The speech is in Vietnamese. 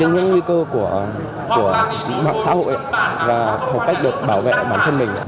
những nguy cơ của mạng xã hội và học cách được bảo vệ bản thân mình